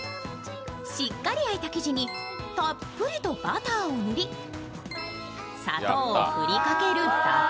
しっかり焼いた生地にたっぷりとバターを塗り砂糖を振りかけるだけ。